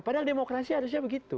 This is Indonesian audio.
padahal demokrasi harusnya begitu